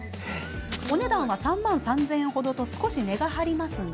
お値段は３万３０００円程と少し値が張りますが。